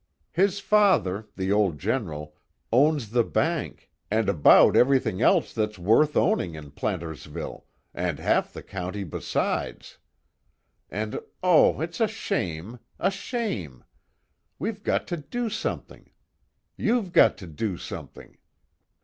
His father, the old General, owns the bank, and about everything else that's worth owning in Plantersville, and half the county besides! And oh, it's a shame! A shame! We've got to do something! You've got to do something!